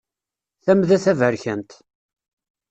Tamda taberkant.